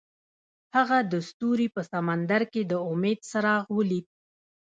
هغه د ستوري په سمندر کې د امید څراغ ولید.